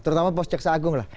terutama pos jaksa agung lah